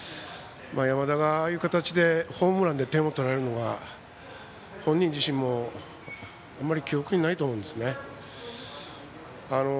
山田が、ああいう形でホームランで点を取られるのは本人自身もあまり記憶にないと思うんですね。